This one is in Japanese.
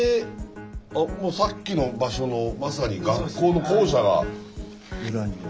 あっもうさっきの場所のまさに学校の校舎が。